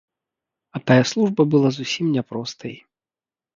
А тая служба была зусім не простай.